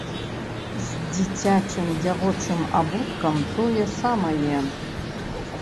З дзіцячым дзявочым абуткам тое самае.